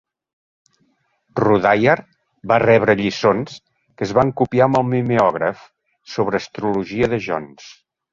Rudhyar va rebre lliçons, que es van copiar amb el mimeògraf, sobre astrologia de Jones.